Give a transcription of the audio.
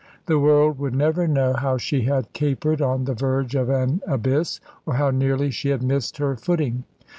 The world would never know how she had capered on the verge of an abyss, or how nearly she had missed her footing.